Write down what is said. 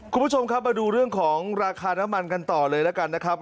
คุณผู้ชมครับมาดูเรื่องของราคาน้ำมันกันต่อเลยแล้วกันนะครับ